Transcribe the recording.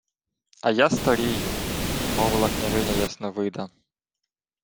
— А я старію, — мовила княгиня Ясновида.